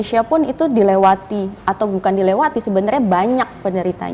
dan di asia pun itu dilewati atau bukan dilewati sebenarnya banyak penderita nya